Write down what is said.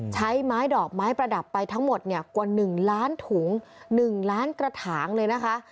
ใช้ไม้ดอกไม้ประดับไปทั้งหมดเนี่ยกว่า๑ล้านถุง๑ล้านกระถางเลยนะคะ